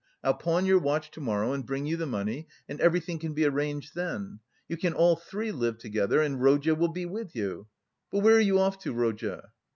I'll pawn your watch to morrow and bring you the money, and everything can be arranged then. You can all three live together, and Rodya will be with you. But where are you off to, Rodya?"